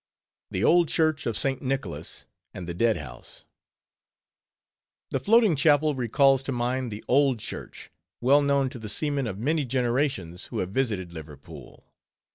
THE OLD CHURCH OF ST. NICHOLAS, AND THE DEAD HOUSE The floating chapel recalls to mind the "Old Church," well known to the seamen of many generations, who have visited Liverpool.